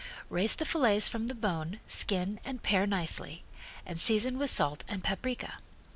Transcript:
Raise the fillets from the bone skin and pare nicely, and season with salt and paprika.